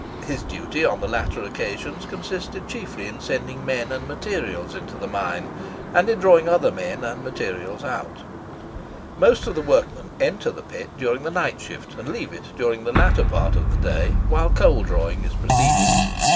His duty, on the latter occasions, consisted chiefly in sending men and materials into the mine, and in drawing other men and materials out. Most of the workmen enter the pit during the night shift, and leave it in the latter part of the day, whilst coal drawing is proceeding.